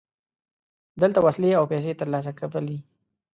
دلته وسلې او پیسې ترلاسه کولې.